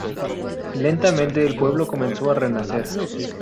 Lentamente el pueblo comenzó a renacer.